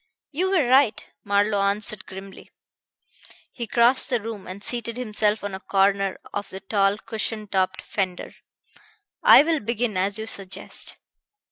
"You were right," Marlowe answered grimly. He crossed the room and seated himself on a corner of the tall cushion topped fender. "I will begin as you suggest."